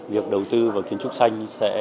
việc đầu tư vào kiến trúc xanh